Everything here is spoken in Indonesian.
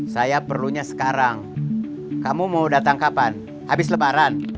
saya perlunya sekarang kamu mau datang kapan habis lebaran